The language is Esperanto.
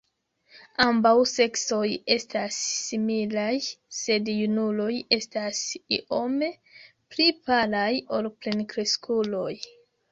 Ambaŭ seksoj estas similaj, sed junuloj estas iome pli palaj ol plenkreskuloj.